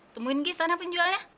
temuin gi sana penjualnya